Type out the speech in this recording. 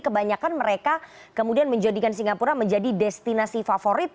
kebanyakan mereka kemudian menjadikan singapura menjadi destinasi favorit